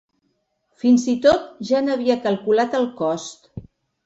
Fins i tot ja n’havia calculat el cost.